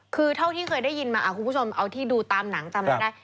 คือเท่าที่เคยได้ยินมาคุณผู้ชมเอาที่ดูตามหนังจำไม่ได้